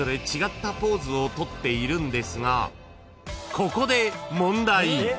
［ここで問題］